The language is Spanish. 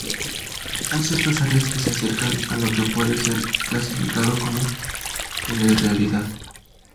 Hay ciertas áreas que se acercan a lo que puede ser clasificado como telerrealidad.